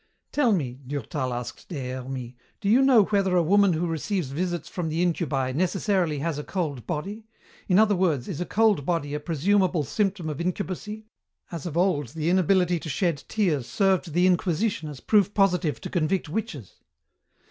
"Tell me," Durtal asked Des Hermies, "do you know whether a woman who receives visits from the incubi necessarily has a cold body? In other words, is a cold body a presumable symptom of incubacy, as of old the inability to shed tears served the Inquisition as proof positive to convict witches?"